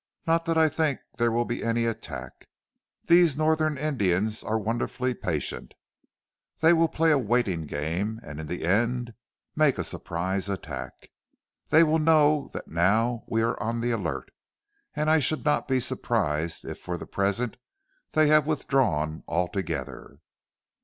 Not that I think there will be any attack. These Northern Indians are wonderfully patient. They will play a waiting game, and in the end make a surprise attack. They will know that now we are on the alert, and I should not be surprised if for the present they have withdrawn altogether."